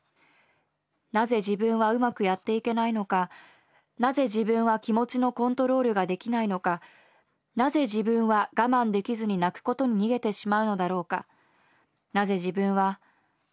何故自分は上手くやっていけないのか何故自分は気持ちのコントロールができないのか何故自分は我慢出来ずに泣くことに逃げてしまうのだろうか何故自分は。